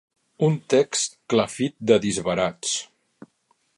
Un text clafit de disbarats.